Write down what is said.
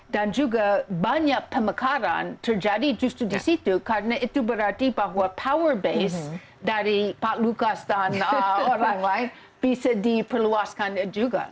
dan juga banyak pemekaran terjadi justru di situ karena itu berarti bahwa kekuatan dari pak lukas dan orang lain bisa diperluaskan juga